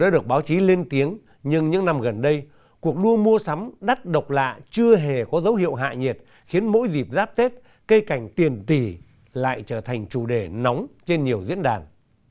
đã được báo chí lên tiếng nhưng những năm gần đây cuộc đua mua sắm đắt độc lạ chưa hề có dấu hiệu hạ nhiệt khiến mỗi dịp giáp tết cây cảnh tiền tỷ lại trở thành chủ đề nóng trên nhiều diễn đàn